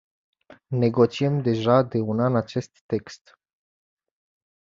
Negociem deja de un an acest text.